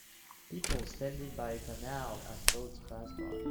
People standing by a canal as boats pass by.